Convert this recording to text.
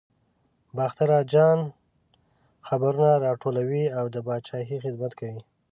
باختر اجان خبرونه راټولوي او د پاچاهۍ خدمت کوي.